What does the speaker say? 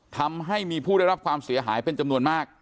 ทำให้มีผู้ได้รับความเสียหายเป็นจำนวนมาก